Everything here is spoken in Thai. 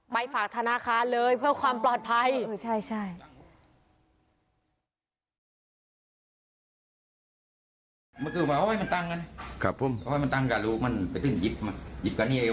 ฝากธนาคารเลยเพื่อความปลอดภัย